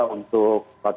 itu untuk pihak kpk untuk